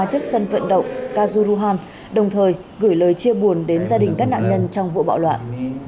trước sân vận động kazuham đồng thời gửi lời chia buồn đến gia đình các nạn nhân trong vụ bạo loạn